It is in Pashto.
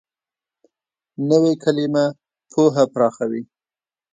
نوې کلیمه پوهه پراخوي